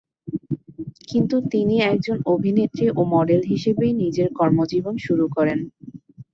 কিন্তু তিনি একজন অভিনেত্রী ও মডেল হিসেবেই নিজের কর্মজীবন শুরু করেন।